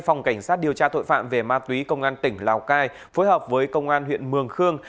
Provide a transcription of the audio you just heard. phòng cảnh sát điều tra tội phạm về ma túy công an tỉnh lào cai phối hợp với công an huyện mường khương